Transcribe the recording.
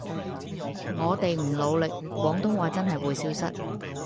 我地唔努力廣東話話真係會消失